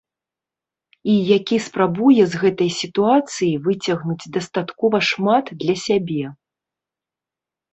І які спрабуе з гэтай сітуацыі выцягнуць дастаткова шмат для сябе.